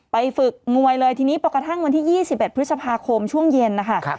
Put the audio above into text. ไปฝึกมวยเลยทีนี้ปกติวันที่๒๘พฤษภาคมช่วงเย็นนะคะ